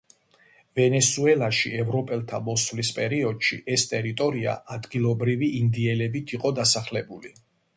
ვენესუელაში ევროპელთა მოსვლის პერიოდში, ეს ტერიტორია ადგილობრივი ინდიელებით იყო დასახლებული.